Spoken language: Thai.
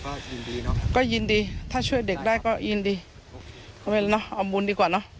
ก็ยินดีเนอะก็ยินดีถ้าช่วยเด็กได้ก็ยินดีเอาเป็นเนอะเอาบุญดีกว่าเนอะ